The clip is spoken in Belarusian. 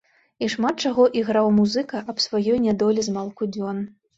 І шмат чаго іграў музыка аб сваёй нядолі змалку дзён.